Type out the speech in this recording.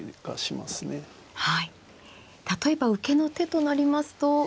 例えば受けの手となりますと。